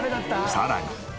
さらに。